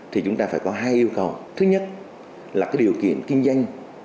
thì chúng ta phải có hai yêu cầu thứ nhất là cái điều kiện kinh doanh